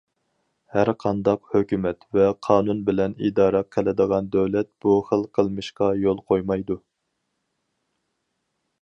ھەرقانداق ھۆكۈمەت ۋە قانۇن بىلەن ئىدارە قىلىدىغان دۆلەت بۇ خىل قىلمىشقا يول قويمايدۇ.